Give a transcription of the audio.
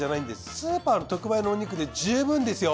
スーパーの特売のお肉で十分ですよ。